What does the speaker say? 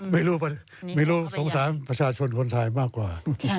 ไม่รู้ไม่รู้สงสารประชาชนคนไทยมากกว่า